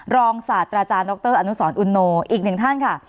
รองศาสตราจารย์ดรอนุสรอุโนอีกหนึ่งท่านค่ะ